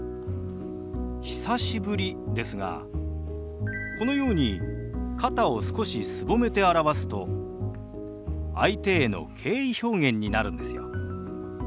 「久しぶり」ですがこのように肩を少しすぼめて表すと相手への敬意表現になるんですよ。